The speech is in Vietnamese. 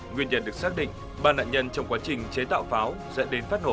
nguyên nhân được xác định ba nạn nhân trong quá trình chế tạo pháo dẫn đến phát nổ